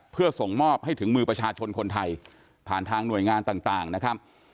เพื่อส่งมอบให้ถึงมือประชาชนคนไทยผ่านทางหน่วยงานต่างนะครับ